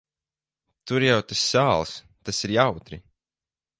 Tur jau tas sāls. Tas ir jautri.